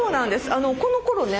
あのこのころね